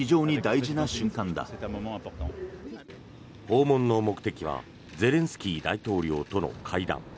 訪問の目的はゼレンスキー大統領との会談。